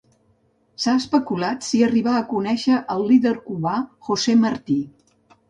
S'ha especulat si arribà a conèixer el líder cubà José Martí.